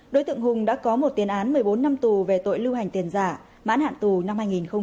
đối tượng hùng đã có một tiền án một mươi bốn năm tù về tội lưu hành tiền giả mãn hạn tù năm hai nghìn một mươi ba